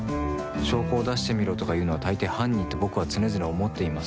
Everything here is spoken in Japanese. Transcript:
証拠を出してみろとか言うのは大抵、犯人って僕は常々思っています。